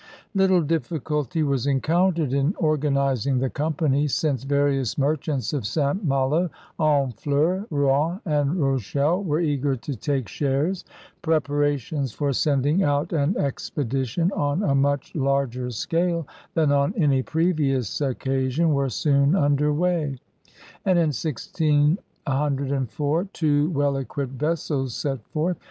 Little difficulty was encountered in organizing the company, since various merchants of St. Malo, Honfleur, Rouen, and Rochelle were eager to take shares. Preparations for sending out an expedi tion on a much larger scale than on any previous occasion were soon under way, and in 1604 two well equipped vessels set forth.